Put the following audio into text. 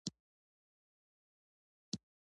ويهاره